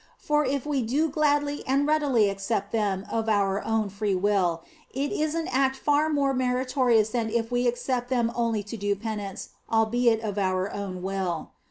For if we do gladly and readily accept them of our own free will, it is an act far more meritorious than if we accepted them only to do penance, albeit of our own will.